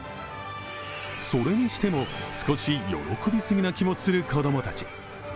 それにしても、少し喜びすぎな気もする子供たち。